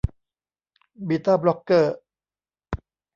บีต้าบล็อคเกอร์